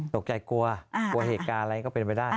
ตกใจกลัวเกลียดอะไรก็เป็นไปได้